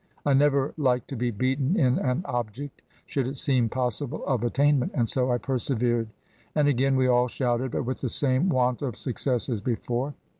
I never like to be beaten in an object should it seem possible of attainment, and so I persevered, and again we all shouted, but with the same want of success as before.